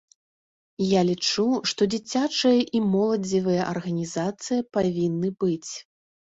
Я лічу, што дзіцячыя і моладзевыя арганізацыі павінны быць.